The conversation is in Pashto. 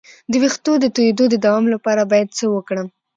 د ویښتو د تویدو د دوام لپاره باید څه وکړم؟